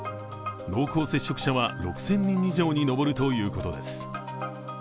濃厚接触者は６０００人以上に上るということです。